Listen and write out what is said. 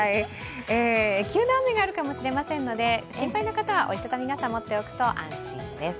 急な雨があるかもしれませんので、心配な方は折り畳み傘を持っておくと安心です。